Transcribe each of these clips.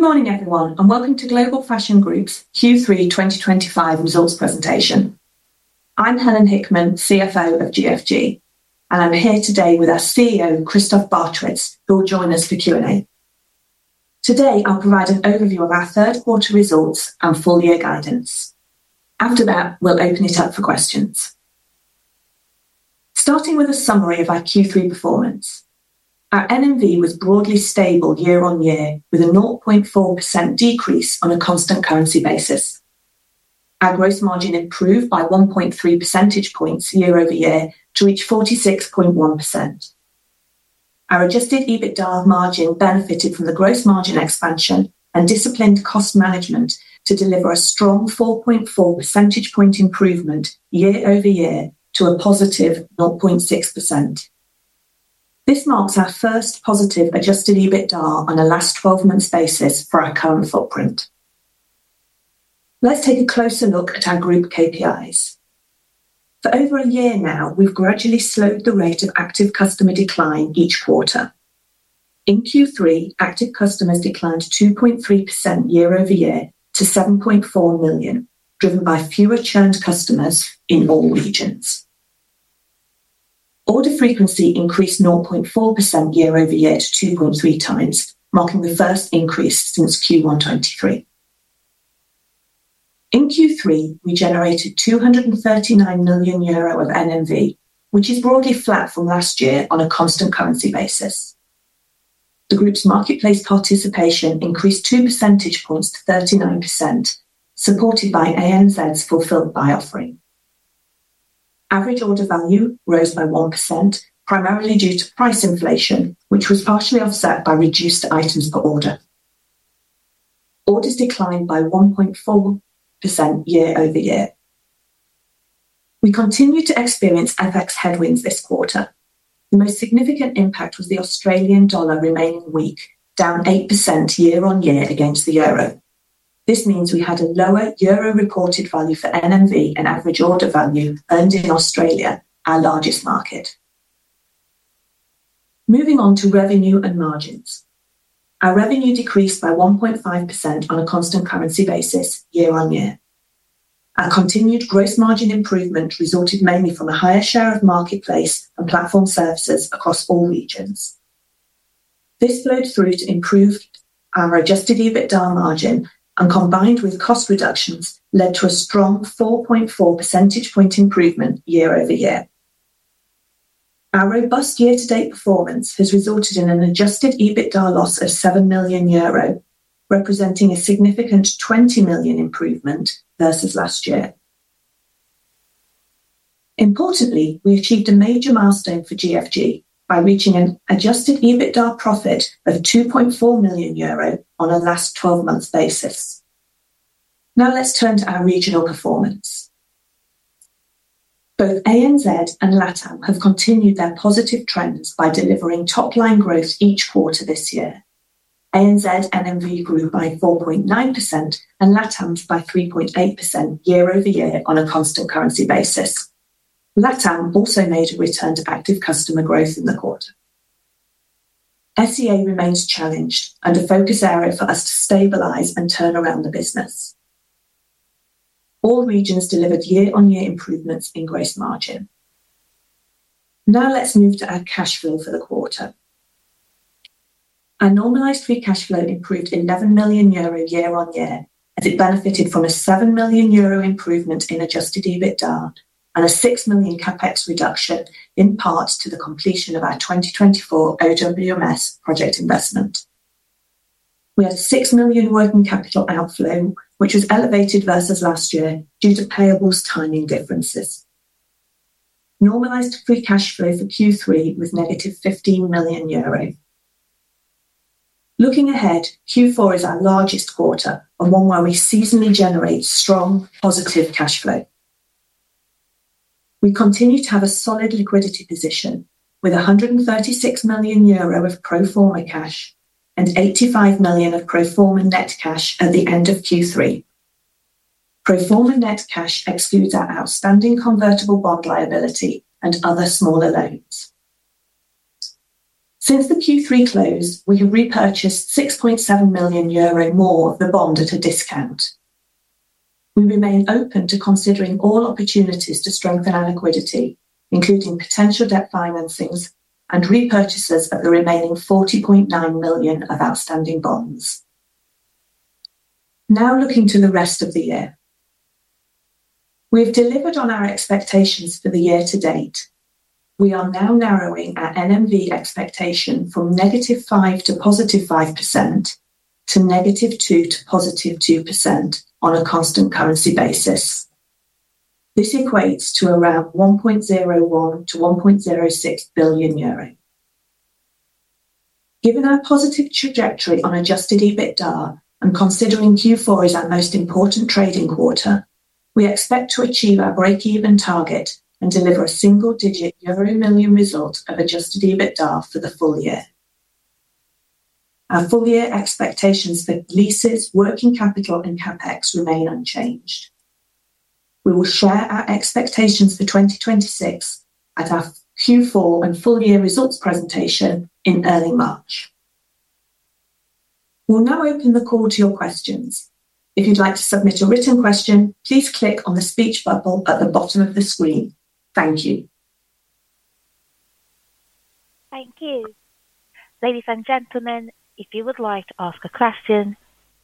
Good morning, everyone, and welcome to Global Fashion Group's Q3 2025 results presentation. I'm Helen Hickman, CFO of GFG, and I'm here today with our CEO, Christoph Barchewitz, who will join us for Q&A. Today, I'll provide an overview of our third-quarter results and full-year guidance. After that, we'll open it up for questions. Starting with a summary of our Q3 performance, our NMV was broadly stable year-on-year, with a 0.4% decrease on a constant currency basis. Our gross margin improved by 1.3 percentage points year-over-year to reach 46.1%. Our adjusted EBITDA margin benefited from the gross margin expansion and disciplined cost management to deliver a strong 4.4 percentage point improvement year-over-year to a +0.6%. This marks our first positive adjusted EBITDA on a last 12-month basis for our current footprint. Let's take a closer look at our group KPIs. For over a year now, we've gradually slowed the rate of active customer decline each quarter. In Q3, active customers declined 2.3% year-over-year to 7.4 million, driven by fewer churned customers in all regions. Order frequency increased 0.4% year-over-year to 2.3x, marking the first increase since Q1 2023. In Q3, we generated 239 million euro of NMV, which is broadly flat from last year on a constant currency basis. The group's marketplace participation increased 2 percentage points to 39%, supported by ANZ's Fulfilled Buy offering. Average order value rose by 1%, primarily due to price inflation, which was partially offset by reduced items per order. Orders declined by 1.4% year-over-year. We continued to experience FX headwinds this quarter. The most significant impact was the Australian dollar remaining weak, down 8% year-on-year against the euro. This means we had a lower euro-reported value for NMV and average order value earned in Australia, our largest market. Moving on to revenue and margins, our revenue decreased by 1.5% on a constant currency basis year-on-year. Our continued gross margin improvement resulted mainly from a higher share of marketplace and platform services across all regions. This flowed through to improve our adjusted EBITDA margin and, combined with cost reductions, led to a strong 4.4 percentage point improvement year-over-year. Our robust year-to-date performance has resulted in an adjusted EBITDA loss of 7 million euro, representing a significant 20 million improvement versus last year. Importantly, we achieved a major milestone for GFG by reaching an adjusted EBITDA profit of 2.4 million euro on a last 12-month basis. Now let's turn to our regional performance. Both ANZ and LATAM have continued their positive trends by delivering top-line growth each quarter this year. ANZ NMV grew by 4.9% and LATAM by 3.8% year-over-year on a constant currency basis. LATAM also made a return to active customer growth in the quarter. SEA remains challenged and a focus area for us to stabilize and turn around the business. All regions delivered year-over-year improvements in gross margin. Now let's move to our cash flow for the quarter. Our normalized free cash flow improved 11 million euro year-over-year, as it benefited from a 7 million euro improvement in adjusted EBITDA and a 6 million CapEx reduction, in part due to the completion of our 2024 OWMS project investment. We had a 6 million working capital outflow, which was elevated versus last year due to payables timing differences. Normalized free cash flow for Q3 was 15 million euro. Looking ahead, Q4 is our largest quarter, one where we seasonally generate strong positive cash flow. We continue to have a solid liquidity position with 136 million euro of pro forma cash and 85 million of pro forma net cash at the end of Q3. Pro forma net cash excludes our outstanding convertible bond liability and other smaller loans. Since the Q3 close, we have repurchased 6.7 million euro more of the bond at a discount. We remain open to considering all opportunities to strengthen our liquidity, including potential debt financings and repurchases of the remaining 40.9 million of outstanding bonds. Now looking to the rest of the year. We have delivered on our expectations for the year to date. We are now narrowing our NMV expectation from -5% to +5% to -2% to +2% on a constant currency basis. This equates to around 1.01-1.06 billion euro. Given our positive trajectory on adjusted EBITDA and considering Q4 is our most important trading quarter, we expect to achieve our break-even target and deliver a single-digit euro 1 million result of adjusted EBITDA for the full year. Our full-year expectations for leases, working capital, and CapEx remain unchanged. We will share our expectations for 2026 at our Q4 and full-year results presentation in early March. We'll now open the call to your questions. If you'd like to submit a written question, please click on the speech bubble at the bottom of the screen. Thank you. Thank you. Ladies and gentlemen, if you would like to ask a question,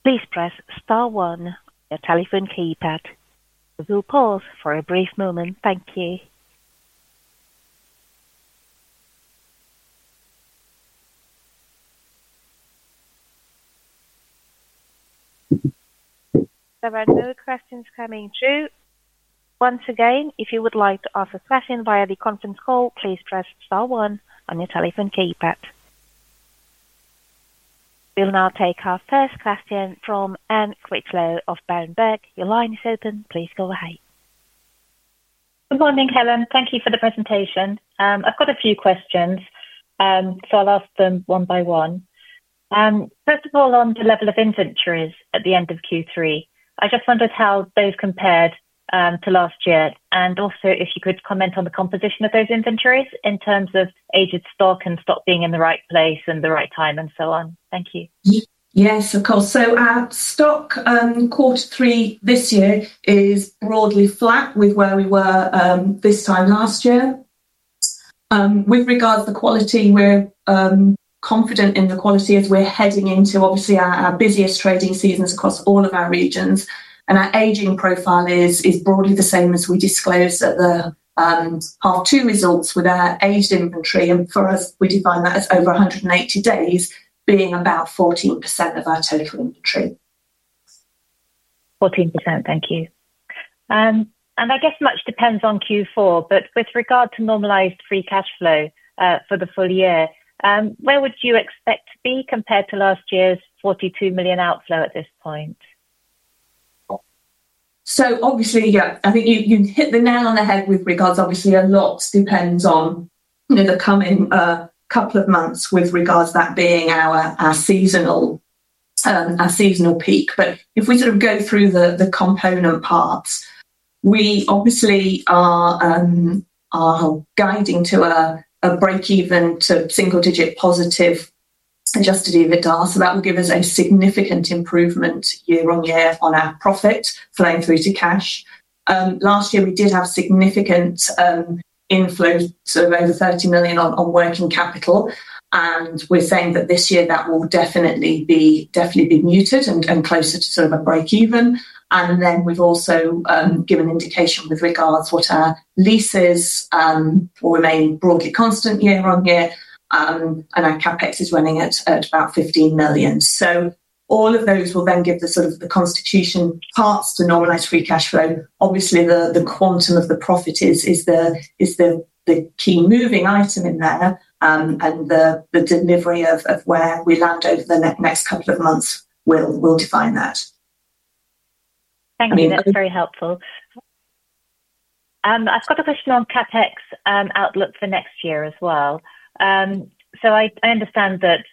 please press star one on your telephone keypad. We'll pause for a brief moment. Thank you. There are no questions coming through. Once again, if you would like to ask a question via the conference call, please press star one on your telephone keypad. We'll now take our first question from Anne Critchlow of Berenberg. Your line is open. Please go ahead. Good morning, Helen. Thank you for the presentation. I've got a few questions, so I'll ask them one by one. First of all, on the level of inventories at the end of Q3, I just wondered how those compared to last year, and also if you could comment on the composition of those inventories in terms of aged stock and stock being in the right place and the right time and so on. Thank you. Yes, of course. Our stock quarter three this year is broadly flat with where we were this time last year. With regards to the quality, we're confident in the quality as we're heading into, obviously, our busiest trading seasons across all of our regions. Our aging profile is broadly the same as we disclosed at the part two results with our aged inventory. For us, we define that as over 180 days being about 14% of our total inventory. 14%. Thank you. I guess much depends on Q4, but with regard to normalized free cash flow for the full year, where would you expect to be compared to last year's 42 million outflow at this point? Obviously, yeah, I think you hit the nail on the head with regards, obviously, a lot depends on the coming couple of months with regards to that being our seasonal peak. If we sort of go through the component parts, we obviously are guiding to a break-even to single-digit positive adjusted EBITDA. That will give us a significant improvement year-on-year on our profit flowing through to cash. Last year, we did have significant inflows of over 30 million on working capital. We're saying that this year that will definitely be muted and closer to sort of a break-even. We've also given indication with regards to what our leases will remain broadly constant year-on-year, and our CapEx is running at about 15 million. All of those will then give the sort of the constitution parts to normalized free cash flow. Obviously, the quantum of the profit is the key moving item in there, and the delivery of where we land over the next couple of months will define that. Thank you. That's very helpful. I've got a question on CapEx outlook for next year as well. I understand that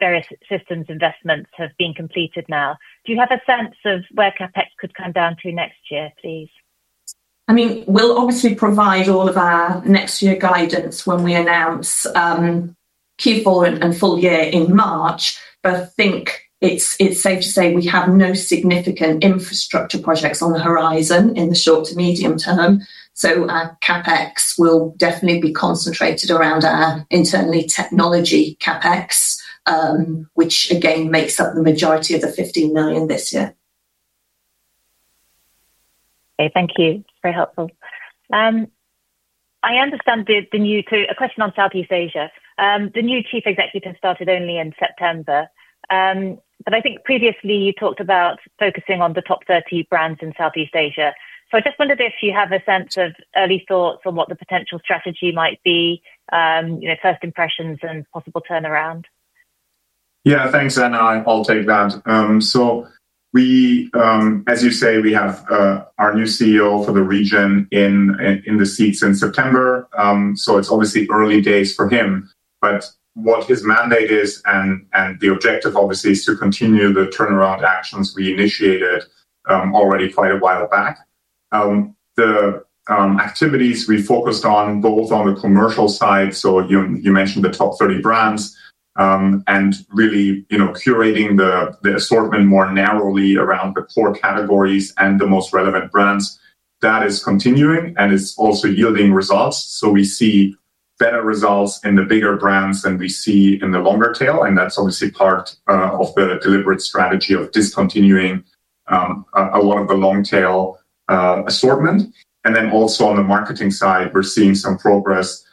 various systems investments have been completed now. Do you have a sense of where CapEx could come down to next year, please? I mean, we'll obviously provide all of our next-year guidance when we announce Q4 and full year in March, but I think it's safe to say we have no significant infrastructure projects on the horizon in the short to medium term. Our CapEx will definitely be concentrated around our internal technology CapEx, which, again, makes up the majority of the 15 million this year. Okay. Thank you. It's very helpful. I understand the new—a question on Southeast Asia. The new chief executive has started only in September. I think previously you talked about focusing on the top 30 brands in Southeast Asia. I just wondered if you have a sense of early thoughts on what the potential strategy might be, first impressions and possible turnaround. Yeah, thanks, Anne. I'll take that. As you say, we have our new CEO for the region in the seats in September. It's obviously early days for him. What his mandate is and the objective, obviously, is to continue the turnaround actions we initiated already quite a while back. The activities we focused on, both on the commercial side, you mentioned the top 30 brands, and really curating the assortment more narrowly around the core categories and the most relevant brands, that is continuing and is also yielding results. We see better results in the bigger brands than we see in the longer tail, and that's obviously part of the deliberate strategy of discontinuing a lot of the long-tail assortment. On the marketing side, we're seeing some progress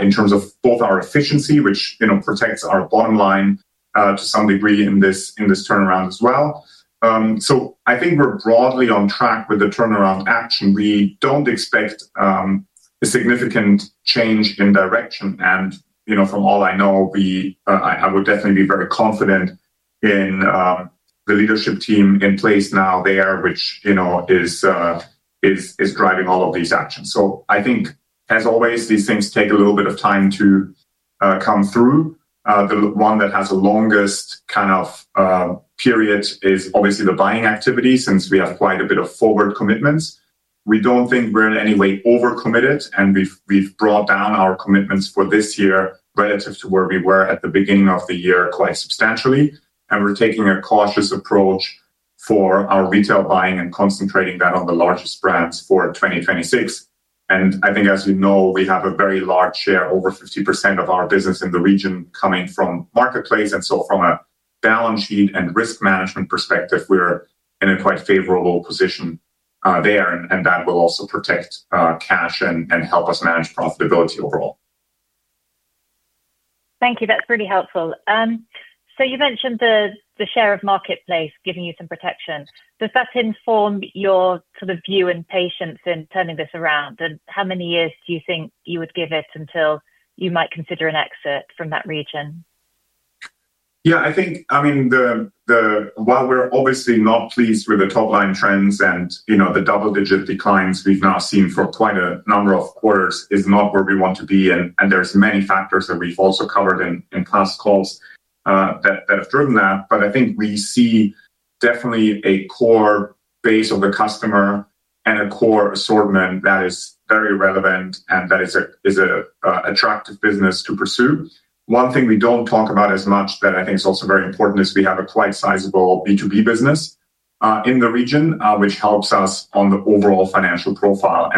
in terms of both our efficiency, which protects our bottom line to some degree in this turnaround as well. I think we're broadly on track with the turnaround action. We don't expect a significant change in direction. From all I know, I would definitely be very confident in the leadership team in place now there, which is driving all of these actions. I think, as always, these things take a little bit of time to come through. The one that has the longest kind of period is obviously the buying activity, since we have quite a bit of forward commitments. We don't think we're in any way overcommitted, and we've brought down our commitments for this year relative to where we were at the beginning of the year quite substantially. We are taking a cautious approach for our retail buying and concentrating that on the largest brands for 2026. I think, as you know, we have a very large share, over 50% of our business in the region, coming from marketplace. From a balance sheet and risk management perspective, we are in a quite favorable position there, and that will also protect cash and help us manage profitability overall. Thank you. That's really helpful. You mentioned the share of marketplace giving you some protection. Does that inform your sort of view and patience in turning this around? How many years do you think you would give it until you might consider an exit from that region? Yeah, I think, I mean. While we're obviously not pleased with the top-line trends and the double-digit declines we've now seen for quite a number of quarters, it's not where we want to be. There are many factors that we've also covered in past calls that have driven that. I think we see definitely a core base of the customer and a core assortment that is very relevant and that is an attractive business to pursue. One thing we don't talk about as much that I think is also very important is we have a quite sizable B2B business in the region, which helps us on the overall financial profile.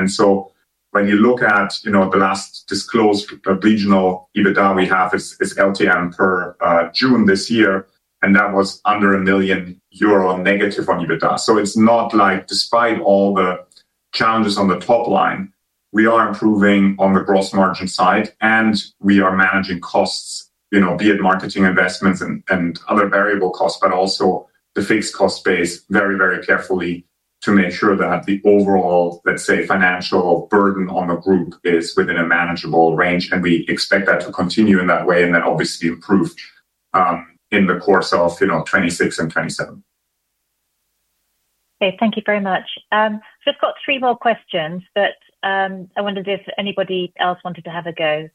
When you look at the last disclosed regional EBITDA we have, it's LTM per June this year, and that was under 1 million euro negative on EBITDA. It is not like despite all the challenges on the top line, we are improving on the gross margin side, and we are managing costs, be it marketing investments and other variable costs, but also the fixed cost base very, very carefully to make sure that the overall, let's say, financial burden on the group is within a manageable range. We expect that to continue in that way and then obviously improve in the course of 2026 and 2027. Okay. Thank you very much. I've just got three more questions, but I wondered if anybody else wanted to have a go.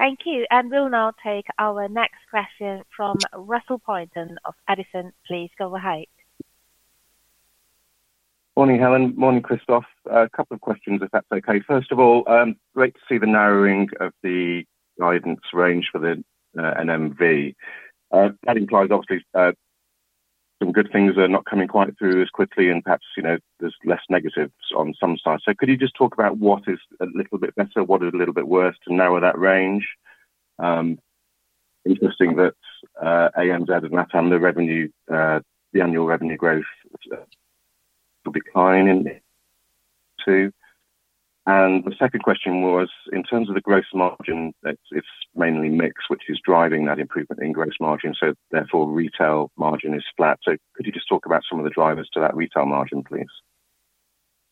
Thank you. We will now take our next question from Russell Pointon of Edison. Please go ahead. Morning, Helen. Morning, Christoph. A couple of questions, if that's okay. First of all, great to see the narrowing of the guidance range for the NMV. That implies, obviously, some good things are not coming quite through as quickly, and perhaps there's less negatives on some side. Could you just talk about what is a little bit better, what is a little bit worse to narrow that range? Interesting that ANZ and LATAM, the annual revenue growth will be climbing too. The second question was, in terms of the gross margin, it's mainly mix which is driving that improvement in gross margin. Therefore, retail margin is flat. Could you just talk about some of the drivers to that retail margin, please?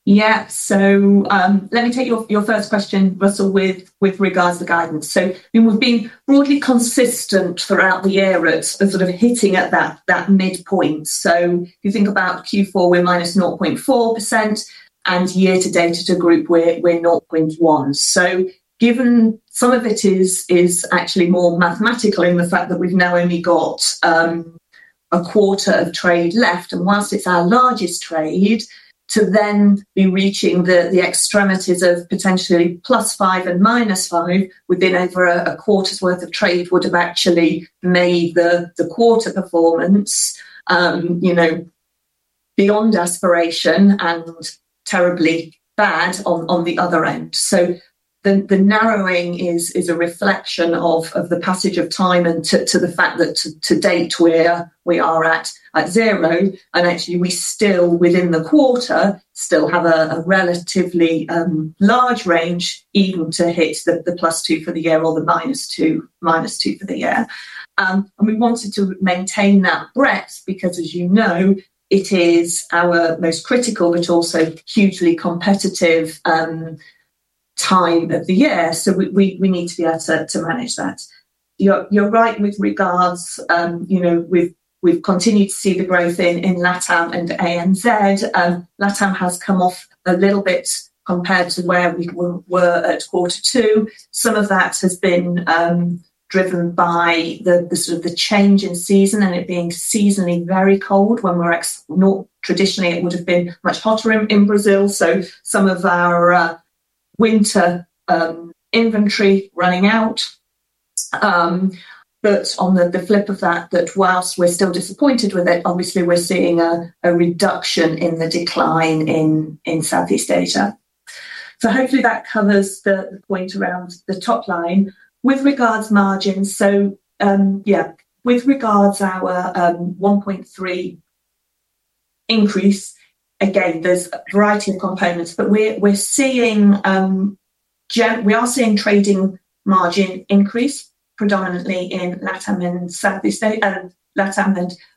Yeah. Let me take your first question, Russell, with regards to guidance. We've been broadly consistent throughout the year at sort of hitting at that midpoint. If you think about Q4, we're -0.4%, and year-to-date to group, we're 0.1%. Given some of it is actually more mathematical in the fact that we've now only got a quarter of trade left, and whilst it's our largest trade, to then be reaching the extremities of potentially +5% and -5% within over a quarter's worth of trade would have actually made the quarter performance beyond aspiration and terribly bad on the other end. The narrowing is a reflection of the passage of time and to the fact that to date, we are at zero. Actually, we still, within the quarter, have a relatively large range even to hit the +2% for the year or the -2% for the year. We wanted to maintain that breadth because, as you know, it is our most critical, but also hugely competitive, time of the year. We need to be able to manage that. You're right with regards. We've continued to see the growth in LATAM and AMZ. LATAM has come off a little bit compared to where we were at quarter two. Some of that has been driven by the sort of change in season and it being seasonally very cold when traditionally it would have been much hotter in Brazil. Some of our winter inventory running out. On the flip of that, whilst we're still disappointed with it, obviously, we're seeing a reduction in the decline in Southeast Asia. Hopefully, that covers the point around the top line. With regards to margins, yeah, with regards to our 1.3 increase, again, there's a variety of components, but we're seeing. We are seeing trading margin increase predominantly in LATAM and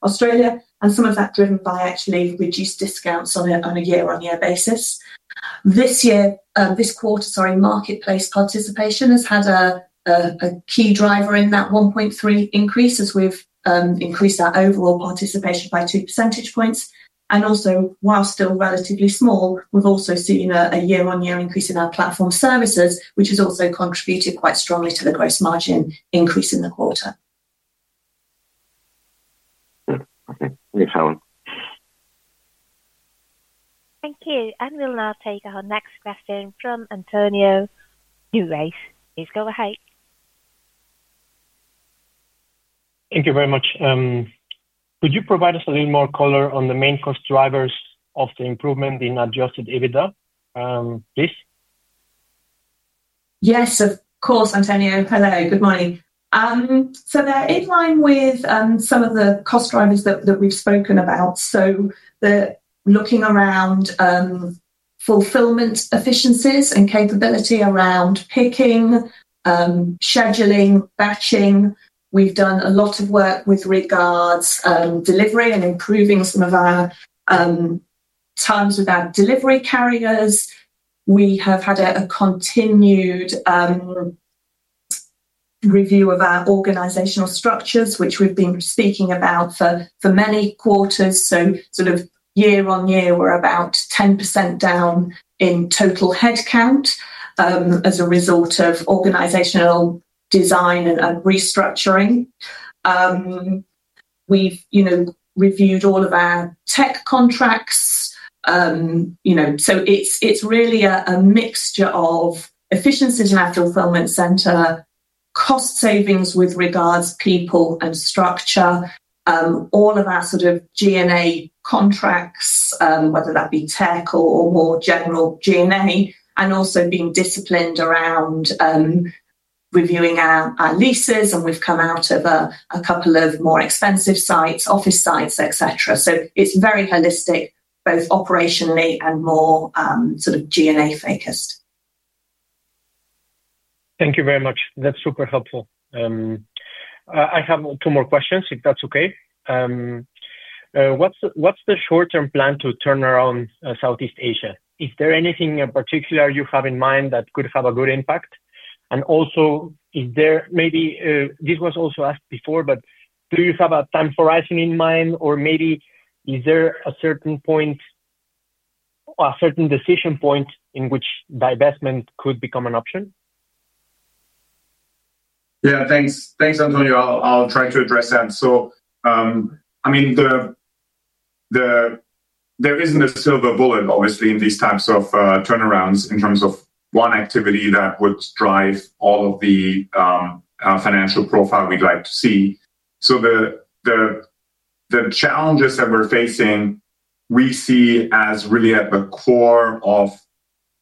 Australia, and some of that driven by actually reduced discounts on a year-on-year basis. This year, this quarter, sorry, marketplace participation has had a key driver in that 1.3 increase as we've increased our overall participation by two percentage points. Also, while still relatively small, we've also seen a year-on-year increase in our platform services, which has also contributed quite strongly to the gross margin increase in the quarter. Thanks, Helen. Thank you. We will now take our next question from Antonio NuWays. Please go ahead. Thank you very much. Could you provide us a little more color on the main cost drivers of the improvement in adjusted EBITDA, please? Yes, of course, Antonio. Hello, good morning. They're in line with some of the cost drivers that we've spoken about. Looking around fulfillment efficiencies and capability around picking, scheduling, batching. We've done a lot of work with regards to delivery and improving some of our times with our delivery carriers. We have had a continued review of our organizational structures, which we've been speaking about for many quarters. Year-on-year, we're about 10% down in total headcount as a result of organizational design and restructuring. We've reviewed all of our tech contracts. It's really a mixture of efficiencies in our fulfillment center, cost savings with regards to people and structure, all of our G&A contracts, whether that be tech or more general G&A, and also being disciplined around reviewing our leases. We have come out of a couple of more expensive sites, office sites, etc. It is very holistic, both operationally and more sort of G&A-focused. Thank you very much. That's super helpful. I have two more questions, if that's okay. What's the short-term plan to turn around Southeast Asia? Is there anything in particular you have in mind that could have a good impact? Also, is there, maybe this was also asked before, but do you have a time horizon in mind, or maybe is there a certain point, a certain decision point in which divestment could become an option? Yeah, thanks. Thanks, Antonio. I'll try to address that. I mean, there isn't a silver bullet, obviously, in these types of turnarounds in terms of one activity that would drive all of the financial profile we'd like to see. The challenges that we're facing, we see as really at the core of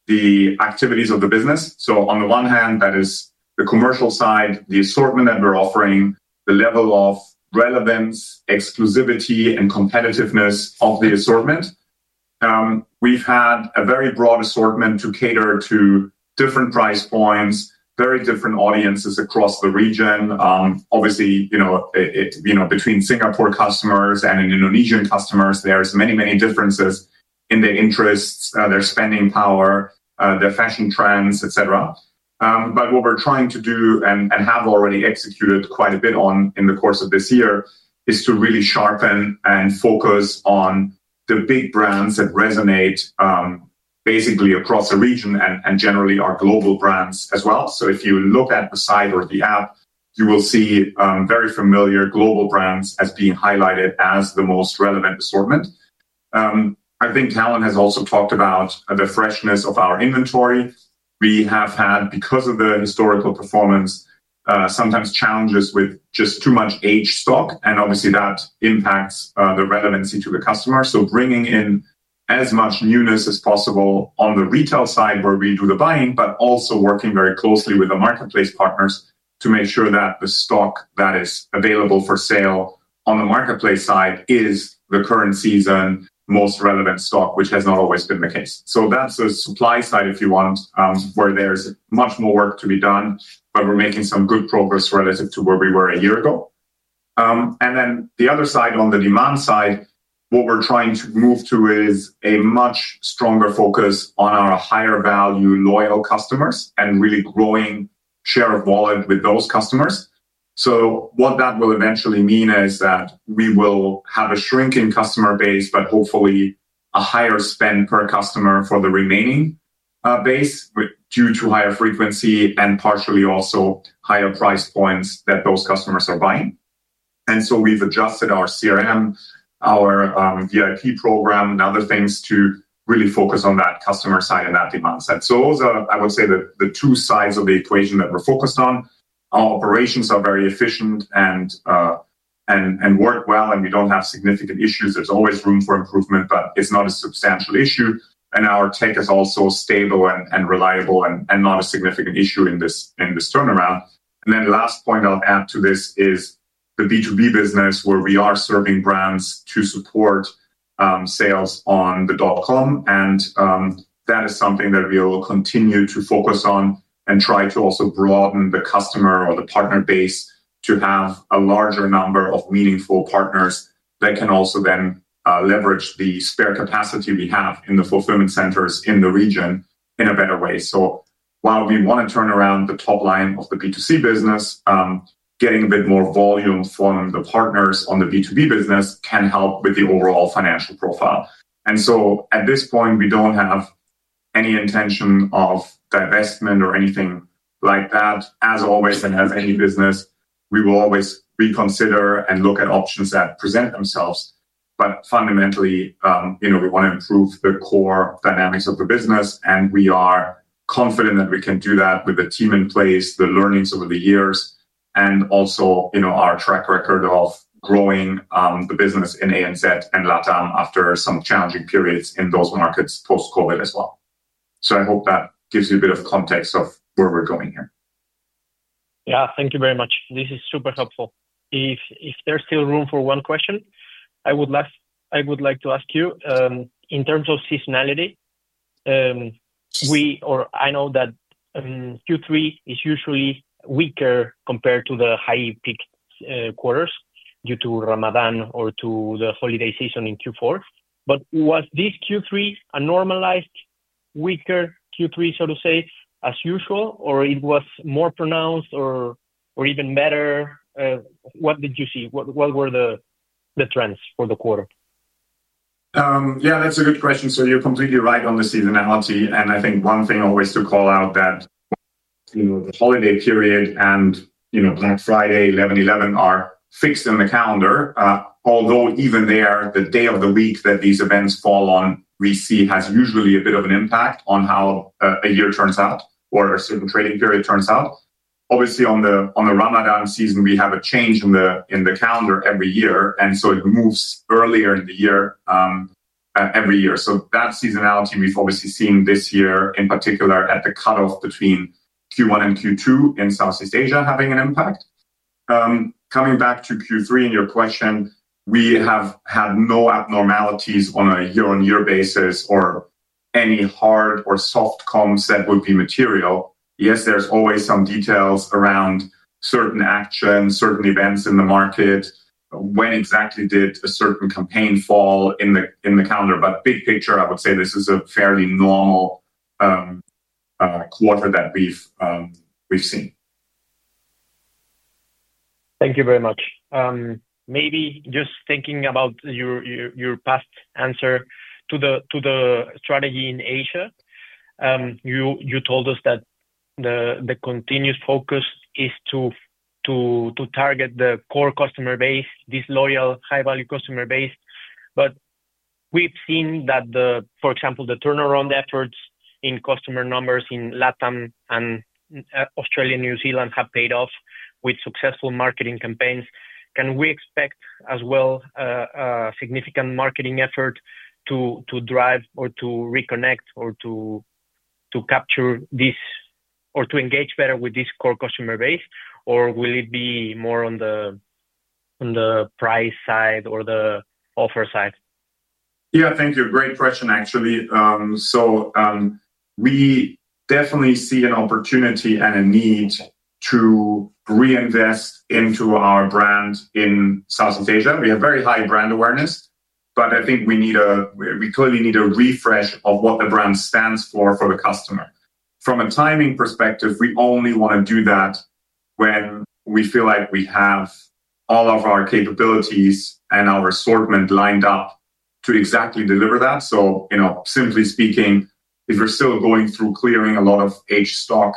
the activities of the business. On the one hand, that is the commercial side, the assortment that we're offering, the level of relevance, exclusivity, and competitiveness of the assortment. We've had a very broad assortment to cater to different price points, very different audiences across the region. Obviously, between Singapore customers and Indonesian customers, there are many, many differences in their interests, their spending power, their fashion trends, etc. What we're trying to do and have already executed quite a bit on in the course of this year is to really sharpen and focus on the big brands that resonate. Basically across the region and generally our global brands as well. If you look at the site or the app, you will see very familiar global brands as being highlighted as the most relevant assortment. I think Helen has also talked about the freshness of our inventory. We have had, because of the historical performance, sometimes challenges with just too much aged stock, and obviously that impacts the relevancy to the customer. Bringing in as much newness as possible on the retail side where we do the buying, but also working very closely with the marketplace partners to make sure that the stock that is available for sale on the marketplace side is the current season most relevant stock, which has not always been the case. That is the supply side, if you want, where there is much more work to be done, but we are making some good progress relative to where we were a year ago. The other side, on the demand side, what we are trying to move to is a much stronger focus on our higher value loyal customers and really growing share of wallet with those customers. What that will eventually mean is that we will have a shrinking customer base, but hopefully a higher spend per customer for the remaining base due to higher frequency and partially also higher price points that those customers are buying. We have adjusted our CRM, our VIP program, and other things to really focus on that customer side and that demand side. Those are, I would say, the two sides of the equation that we're focused on. Our operations are very efficient and work well, and we do not have significant issues. There is always room for improvement, but it is not a substantial issue. Our tech is also stable and reliable and not a significant issue in this turnaround. The last point I will add to this is the B2B business where we are serving brands to support sales on the dot com. That is something that we will continue to focus on and try to also broaden the customer or the partner base to have a larger number of meaningful partners that can also then leverage the spare capacity we have in the fulfillment centers in the region in a better way. While we want to turn around the top line of the B2C business, getting a bit more volume from the partners on the B2B business can help with the overall financial profile. At this point, we do not have any intention of divestment or anything like that. As always, and as any business, we will always reconsider and look at options that present themselves. Fundamentally, we want to improve the core dynamics of the business, and we are confident that we can do that with the team in place, the learnings over the years, and also our track record of growing the business in ANZ and LATAM after some challenging periods in those markets post-COVID as well. I hope that gives you a bit of context of where we're going here. Yeah, thank you very much. This is super helpful. If there's still room for one question, I would like to ask you. In terms of seasonality, I know that Q3 is usually weaker compared to the high peak quarters due to Ramadan or to the holiday season in Q4. Was this Q3 a normalized weaker Q3, so to say, as usual, or was it more pronounced or even better? What did you see? What were the trends for the quarter? Yeah, that's a good question. You're completely right on the seasonality. I think one thing always to call out is that the holiday period and Black Friday, 11/11 are fixed in the calendar. Although even there, the day of the week that these events fall on usually has a bit of an impact on how a year turns out or how a certain trading period turns out. Obviously, for the Ramadan season, we have a change in the calendar every year, and it moves earlier in the year every year. That seasonality, we've obviously seen this year in particular at the cutoff between Q1 and Q2 in Southeast Asia having an impact. Coming back to Q3 in your question, we have had no abnormalities on a year-on-year basis or any hard or soft comms that would be material. Yes, there's always some details around certain actions, certain events in the market. When exactly did a certain campaign fall in the calendar? Big picture, I would say this is a fairly normal quarter that we've seen. Thank you very much. Maybe just thinking about your past answer to the strategy in Asia. You told us that the continuous focus is to target the core customer base, this loyal, high-value customer base. We've seen that, for example, the turnaround efforts in customer numbers in LATAM and Australia, New Zealand have paid off with successful marketing campaigns. Can we expect as well a significant marketing effort to drive or to reconnect or to capture this or to engage better with this core customer base? Or will it be more on the price side or the offer side? Yeah, thank you. Great question, actually. We definitely see an opportunity and a need to reinvest into our brand in Southeast Asia. We have very high brand awareness, but I think we need a, we clearly need a refresh of what the brand stands for for the customer. From a timing perspective, we only want to do that when we feel like we have all of our capabilities and our assortment lined up to exactly deliver that. Simply speaking, if we're still going through clearing a lot of age stock,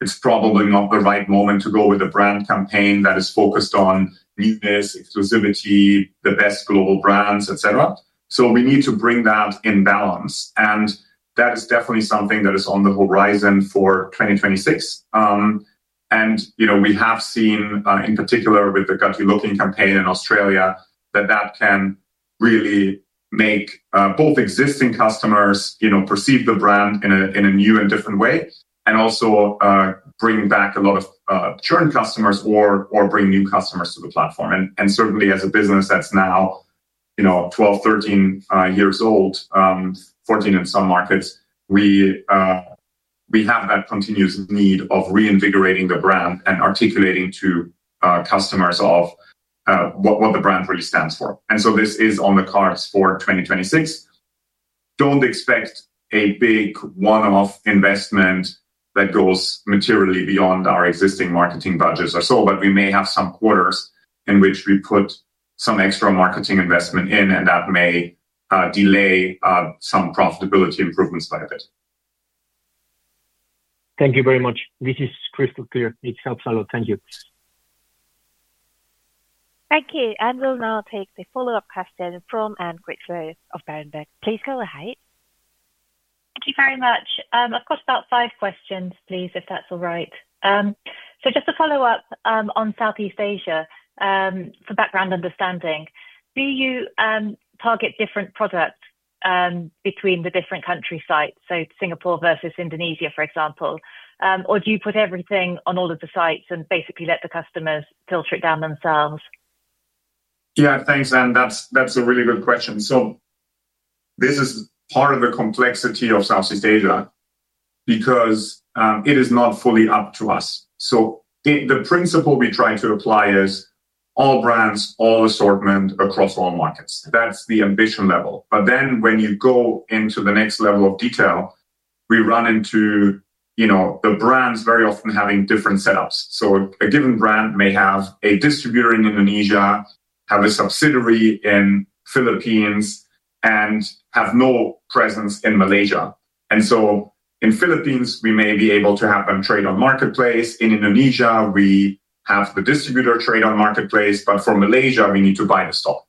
it's probably not the right moment to go with a brand campaign that is focused on newness, exclusivity, the best global brands, etc. We need to bring that in balance. That is definitely something that is on the horizon for 2026. We have seen, in particular with the Got You Looking campaign in Australia, that that can really make both existing customers perceive the brand in a new and different way and also bring back a lot of churn customers or bring new customers to the platform. Certainly, as a business that's now 12, 13 years old, 14 in some markets, we have that continuous need of reinvigorating the brand and articulating to customers what the brand really stands for. This is on the cards for 2026. Do not expect a big one-off investment that goes materially beyond our existing marketing budgets or so, but we may have some quarters in which we put some extra marketing investment in, and that may delay some profitability improvements by a bit. Thank you very much. This is crystal clear. It helps a lot. Thank you. Thank you. We will now take the follow-up question from Anne Critchlow of Berenberg. Please go ahead. Thank you very much. I've got about five questions, please, if that's all right. Just to follow up on Southeast Asia. For background understanding, do you target different products between the different country sites, so Singapore versus Indonesia, for example? Or do you put everything on all of the sites and basically let the customers filter it down themselves? Yeah, thanks, Anne. That's a really good question. This is part of the complexity of Southeast Asia because it is not fully up to us. The principle we try to apply is all brands, all assortment across all markets. That's the ambition level. When you go into the next level of detail, we run into the brands very often having different setups. A given brand may have a distributor in Indonesia, have a subsidiary in the Philippines, and have no presence in Malaysia. In the Philippines, we may be able to have them trade on Marketplace. In Indonesia, we have the distributor trade on Marketplace, but for Malaysia, we need to buy the stock.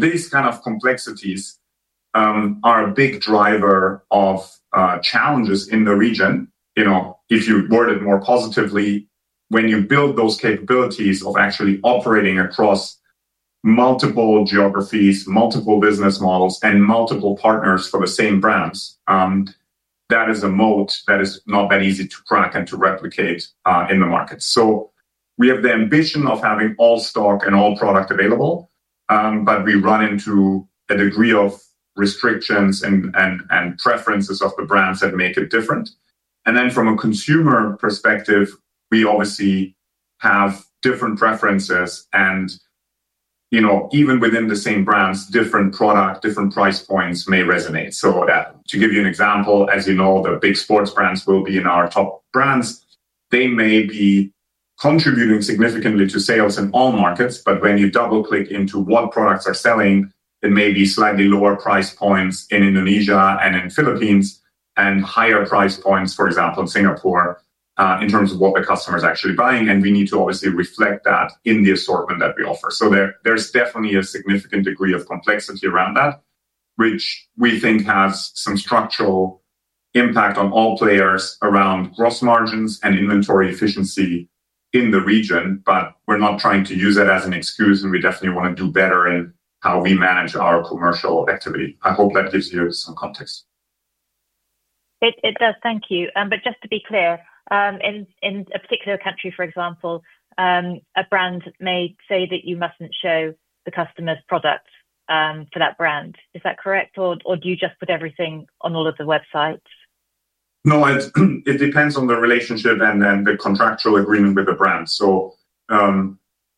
These kind of complexities are a big driver of challenges in the region. If you word it more positively, when you build those capabilities of actually operating across. Multiple geographies, multiple business models, and multiple partners for the same brands. That is a moat that is not that easy to crack and to replicate in the market. We have the ambition of having all stock and all product available, but we run into a degree of restrictions and preferences of the brands that make it different. From a consumer perspective, we obviously have different preferences, and even within the same brands, different product, different price points may resonate. To give you an example, as you know, the big sports brands will be in our top brands. They may be contributing significantly to sales in all markets, but when you double-click into what products are selling, it may be slightly lower price points in Indonesia and in the Philippines and higher price points, for example, in Singapore, in terms of what the customer is actually buying. We need to obviously reflect that in the assortment that we offer. There is definitely a significant degree of complexity around that, which we think has some structural impact on all players around gross margins and inventory efficiency in the region. We are not trying to use that as an excuse, and we definitely want to do better in how we manage our commercial activity. I hope that gives you some context. It does. Thank you. Just to be clear, in a particular country, for example, a brand may say that you mustn't show the customer's product for that brand. Is that correct? Or do you just put everything on all of the websites? No, it depends on the relationship and then the contractual agreement with the brand.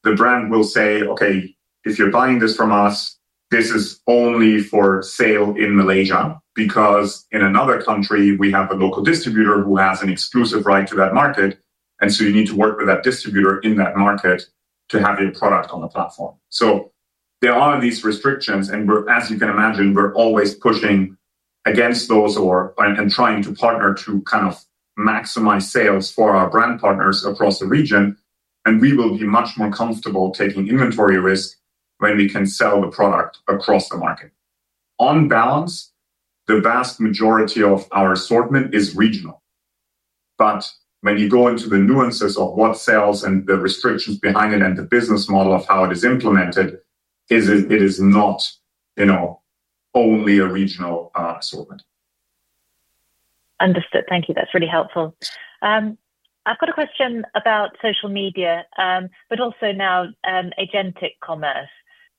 The brand will say, "Okay, if you're buying this from us, this is only for sale in Malaysia," because in another country, we have a local distributor who has an exclusive right to that market. You need to work with that distributor in that market to have your product on the platform. There are these restrictions, and as you can imagine, we're always pushing against those and trying to partner to kind of maximize sales for our brand partners across the region. We will be much more comfortable taking inventory risk when we can sell the product across the market. On balance, the vast majority of our assortment is regional. When you go into the nuances of what sales and the restrictions behind it and the business model of how it is implemented, it is not. Only a regional assortment. Understood. Thank you. That's really helpful. I've got a question about social media, but also now agentic commerce.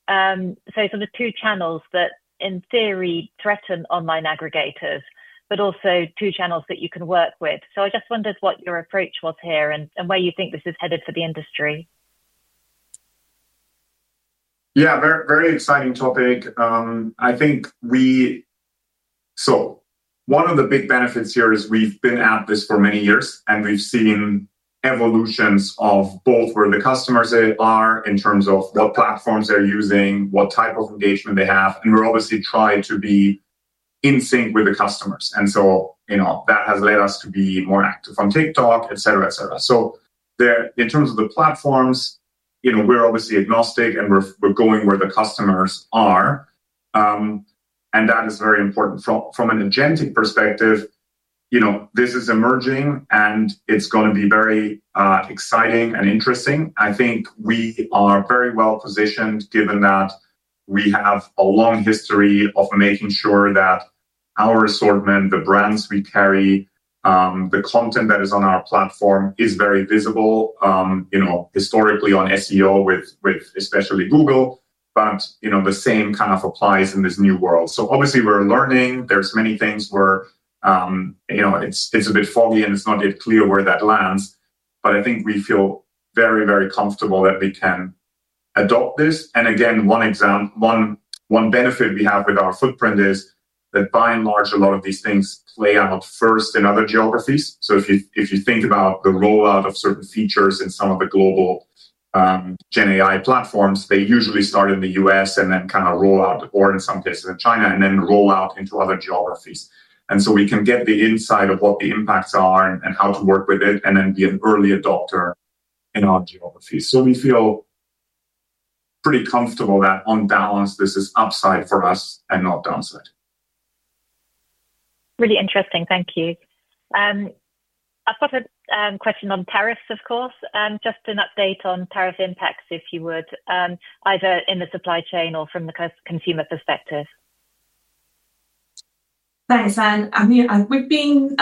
So sort of two channels that in theory threaten online aggregators, but also two channels that you can work with. I just wondered what your approach was here and where you think this is headed for the industry. Yeah, very exciting topic. I think we. One of the big benefits here is we've been at this for many years, and we've seen evolutions of both where the customers are in terms of what platforms they're using, what type of engagement they have. We're obviously trying to be in sync with the customers. That has led us to be more active on TikTok, etc., etc. In terms of the platforms, we're obviously agnostic, and we're going where the customers are. That is very important. From an agentic perspective, this is emerging, and it's going to be very exciting and interesting. I think we are very well positioned given that we have a long history of making sure that our assortment, the brands we carry, the content that is on our platform is very visible. Historically on SEO with especially Google, but the same kind of applies in this new world. Obviously, we're learning. There are many things where it's a bit foggy and it's not yet clear where that lands. I think we feel very, very comfortable that we can adopt this. Again, one benefit we have with our footprint is that by and large, a lot of these things play out first in other geographies. If you think about the rollout of certain features in some of the global Gen AI platforms, they usually start in the U.S. and then kind of roll out, or in some cases in China, and then roll out into other geographies. We can get the insight of what the impacts are and how to work with it and then be an early adopter in our geographies. We feel. Pretty comfortable that on balance, this is upside for us and not downside. Really interesting. Thank you. I've got a question on tariffs, of course. Just an update on tariff impacts, if you would, either in the supply chain or from the consumer perspective. Thanks, Anne. We've been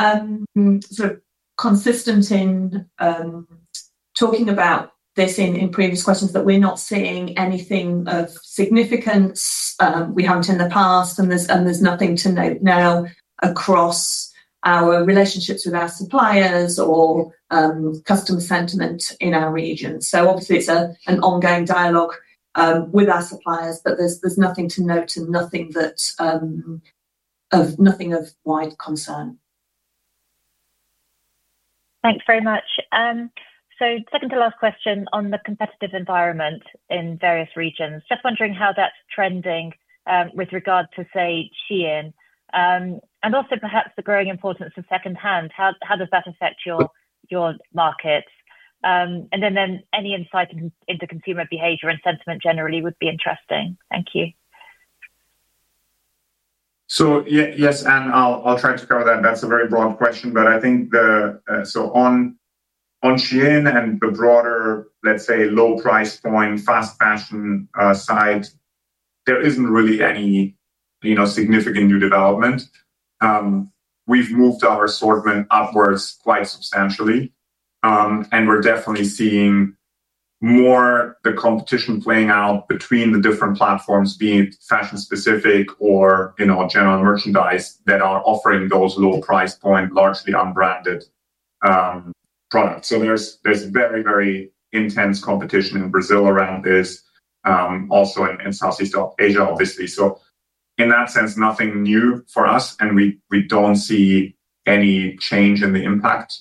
sort of consistent in talking about this in previous questions that we're not seeing anything of significance. We haven't in the past, and there's nothing to note now across our relationships with our suppliers or customer sentiment in our region. Obviously, it's an ongoing dialogue with our suppliers, but there's nothing to note and nothing of wide concern. Thanks very much. Second to last question on the competitive environment in various regions. Just wondering how that's trending with regard to, say, Shein. And also perhaps the growing importance of secondhand. How does that affect your markets? Any insight into consumer behavior and sentiment generally would be interesting. Thank you. Yes, Anne, I'll try to cover that. That's a very broad question, but I think on Shein and the broader, let's say, low price point fast fashion side, there isn't really any significant new development. We've moved our assortment upwards quite substantially. And we're definitely seeing more the competition playing out between the different platforms, be it fashion specific or general merchandise, that are offering those low price point, largely unbranded products. There's very, very intense competition in Brazil around this, also in Southeast Asia, obviously. In that sense, nothing new for us, and we don't see any change in the impact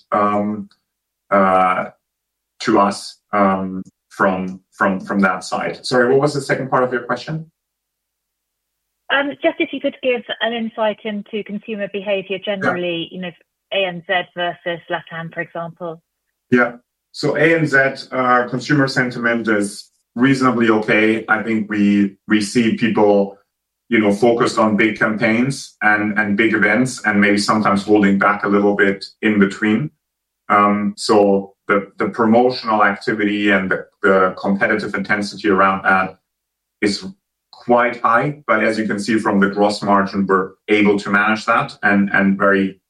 to us from that side. Sorry, what was the second part of your question? Just if you could give an insight into consumer behavior generally, ANZ versus LATAM, for example. Yeah. ANZ, consumer sentiment is reasonably okay. I think we see people focused on big campaigns and big events and maybe sometimes holding back a little bit in between. The promotional activity and the competitive intensity around that is quite high. As you can see from the gross margin, we're able to manage that and very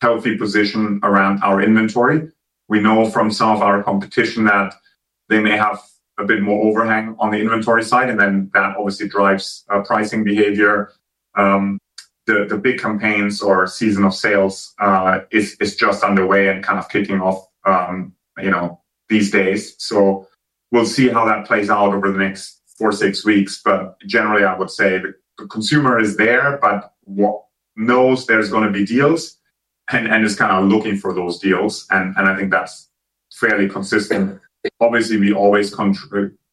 healthy position around our inventory. We know from some of our competition that they may have a bit more overhang on the inventory side, and that obviously drives pricing behavior. The big campaigns or season of sales is just underway and kind of kicking off these days. We will see how that plays out over the next four-six weeks. Generally, I would say the consumer is there, but knows there's going to be deals and is kind of looking for those deals. I think that's fairly consistent. Obviously, we always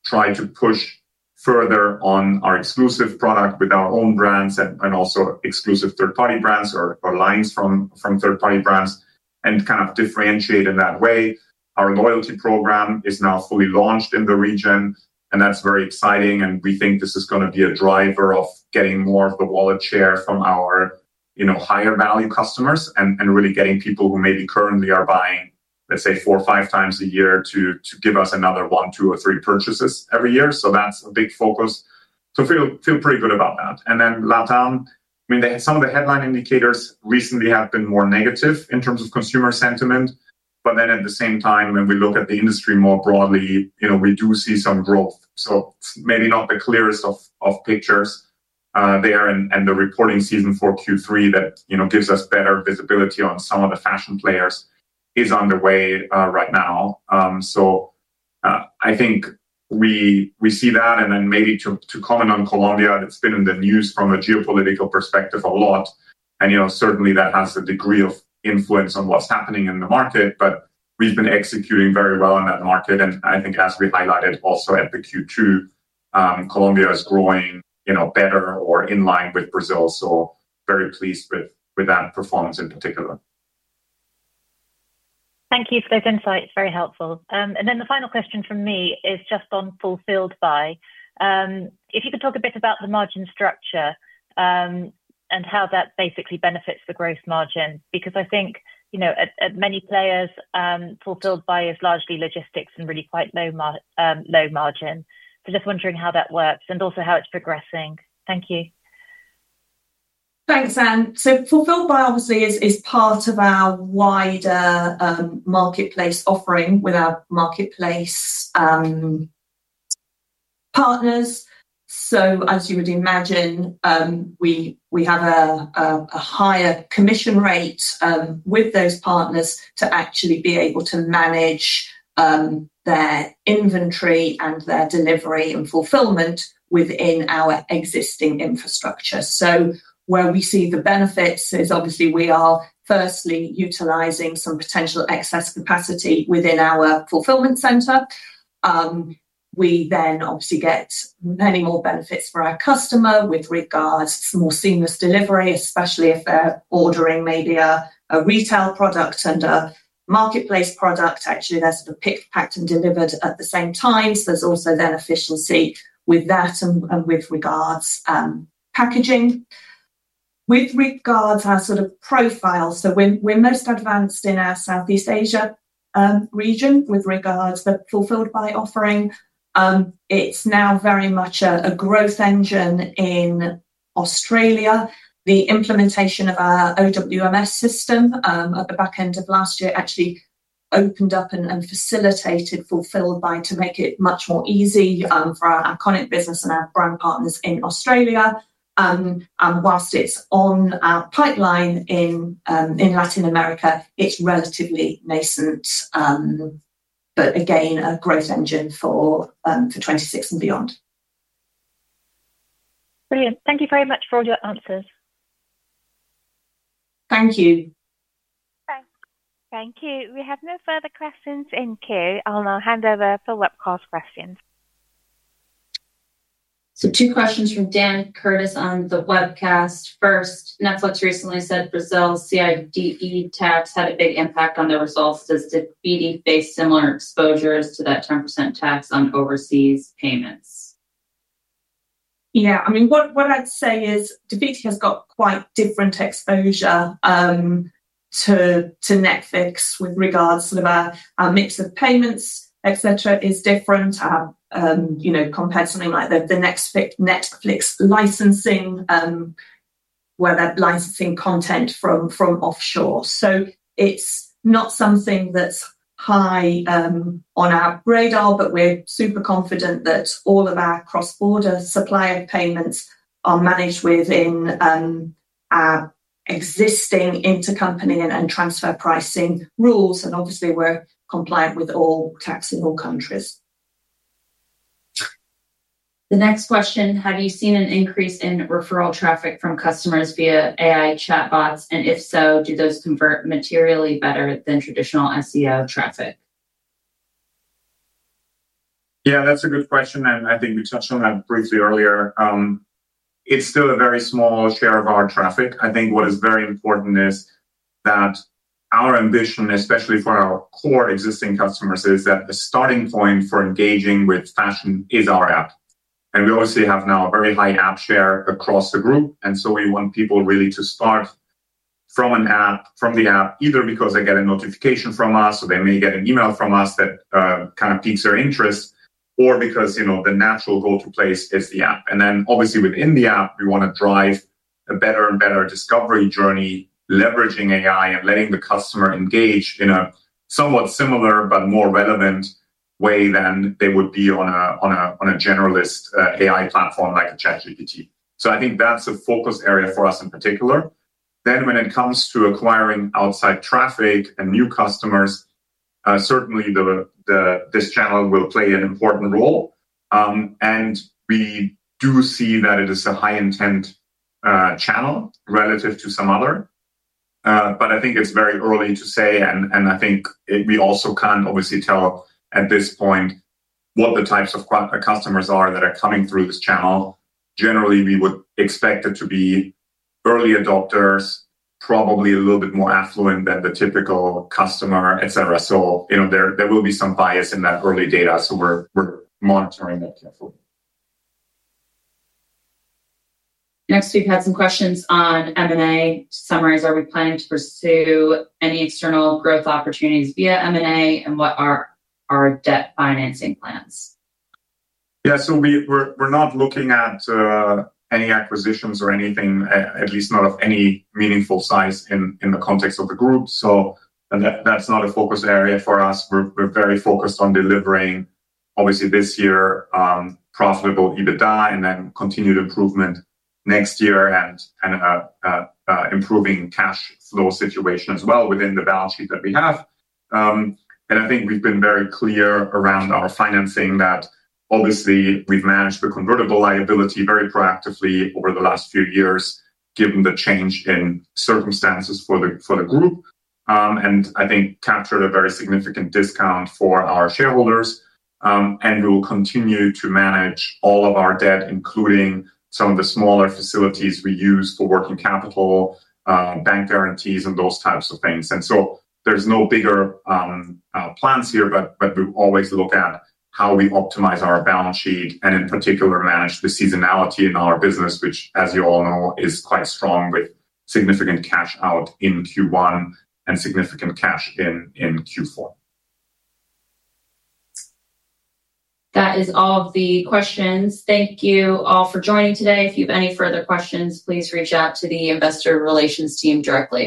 try to push further on our exclusive product with our own brands and also exclusive third-party brands or lines from third-party brands and kind of differentiate in that way. Our loyalty program is now fully launched in the region, and that is very exciting. We think this is going to be a driver of getting more of the wallet share from our higher value customers and really getting people who maybe currently are buying, let's say, four or five times a year to give us another one, two, or three purchases every year. That is a big focus. I feel pretty good about that. In LATAM, I mean, some of the headline indicators recently have been more negative in terms of consumer sentiment. At the same time, when we look at the industry more broadly, we do see some growth. Maybe not the clearest of pictures there, and the reporting season for Q3 that gives us better visibility on some of the fashion players is underway right now. I think we see that. And then maybe to comment on Colombia, it's been in the news from a geopolitical perspective a lot. Certainly, that has a degree of influence on what's happening in the market, but we've been executing very well in that market. I think, as we highlighted also at the Q2, Colombia is growing better or in line with Brazil. Very pleased with that performance in particular. Thank you for those insights. Very helpful. The final question from me is just on Fulfilled Buy. If you could talk a bit about the margin structure and how that basically benefits the gross margin, because I think at many players, Fulfilled Buy is largely logistics and really quite low margin. Just wondering how that works and also how it's progressing. Thank you. Thanks, Anne. Fulfilled Buy, obviously, is part of our wider marketplace offering with our marketplace partners. As you would imagine, we have a higher commission rate with those partners to actually be able to manage their inventory and their delivery and fulfillment within our existing infrastructure. Where we see the benefits is, obviously, we are firstly utilizing some potential excess capacity within our fulfillment center. We then get many more benefits for our customer with regards to more seamless delivery, especially if they're ordering maybe a retail product and a marketplace product. Actually, they're sort of picked, packed, and delivered at the same time. There is also then efficiency with that and with regards to packaging. With regards to our sort of profile, we are most advanced in our Southeast Asia region with regards to the Fulfilled Buy offering. It's now very much a growth engine in. Australia. The implementation of our OWMS system at the back end of last year actually opened up and facilitated Fulfilled Buy to make it much more easy for our ICONIC business and our brand partners in Australia. Whilst it is on our pipeline in Latin America, it is relatively nascent. Again, a growth engine for 2026 and beyond. Brilliant. Thank you very much for all your answers. Thank you. Okay. Thank you. We have no further questions in queue. I'll now hand over for webcast questions. Two questions from Dan Curtis on the webcast. First, Netflix recently said Brazil's CIDE tax had a big impact on their results. Does Dafiti face similar exposures to that 10% tax on overseas payments? Yeah. I mean, what I'd say is Dafiti has got quite different exposure to Netflix with regards to sort of our mix of payments, etc., is different. Compared to something like the Netflix licensing, where they're licensing content from offshore. It is not something that's high on our radar, but we're super confident that all of our cross-border supply of payments are managed within our existing intercompany and transfer pricing rules. Obviously, we're compliant with all tax in all countries. The next question, have you seen an increase in referral traffic from customers via AI chatbots? If so, do those convert materially better than traditional SEO traffic? Yeah, that's a good question. I think we touched on that briefly earlier. It's still a very small share of our traffic. I think what is very important is that our ambition, especially for our core existing customers, is that the starting point for engaging with fashion is our app. We obviously have now a very high app share across the group. We want people really to start from the app, either because they get a notification from us, or they may get an email from us that kind of piques their interest, or because the natural go-to place is the app. Within the app, we want to drive a better and better discovery journey, leveraging AI and letting the customer engage in a somewhat similar but more relevant way than they would be on a generalist AI platform like ChatGPT. I think that's a focus area for us in particular. When it comes to acquiring outside traffic and new customers, certainly, this channel will play an important role. We do see that it is a high-intent channel relative to some others. I think it's very early to say, and I think we also can't obviously tell at this point what the types of customers are that are coming through this channel. Generally, we would expect it to be early adopters, probably a little bit more affluent than the typical customer, etc. There will be some bias in that early data. We're monitoring that carefully. Next, we've had some questions on M&A. To summarize, are we planning to pursue any external growth opportunities via M&A? What are our debt financing plans? Yeah. We are not looking at any acquisitions or anything, at least not of any meaningful size in the context of the group. That is not a focus area for us. We are very focused on delivering, obviously, this year. Profitable EBITDA and then continued improvement next year, and improving cash flow situation as well within the balance sheet that we have. I think we have been very clear around our financing that obviously we have managed the convertible liability very proactively over the last few years given the change in circumstances for the group. I think captured a very significant discount for our shareholders. We will continue to manage all of our debt, including some of the smaller facilities we use for working capital, bank guarantees, and those types of things. There is no bigger. Plans here, but we always look at how we optimize our balance sheet and in particular manage the seasonality in our business, which, as you all know, is quite strong with significant cash out in Q1 and significant cash in Q4. That is all of the questions. Thank you all for joining today. If you have any further questions, please reach out to the investor relations team directly.